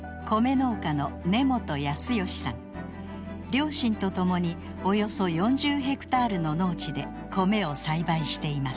両親と共におよそ４０ヘクタールの農地でコメを栽培しています。